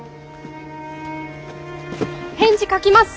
返事書きます！